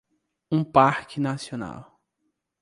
um parque nacional